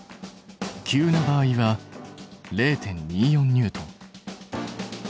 急な場合は０．２４ニュートン。